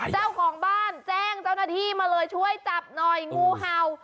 เจ้าของบ้านแจ้งเจ้าหน้าที่มาเลยช่วยจับหน่อยงูเห่า